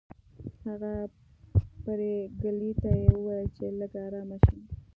هغه پريګلې ته وویل چې لږه ارامه شي